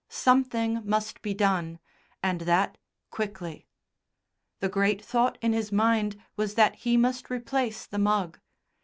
Something must be done, and that quickly. The great thought in his mind was that he must replace the mug.